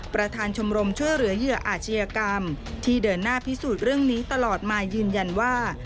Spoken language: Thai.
ประธานชมรมช่วยเหลือเหยื่ออาชญากรรมที่เดินหน้าพิสูจน์เรื่องนี้ตลอดมายืนยันว่า